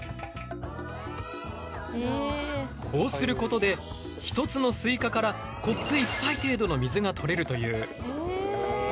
こうすることで１つのスイカからコップ１杯程度の水が取れるという。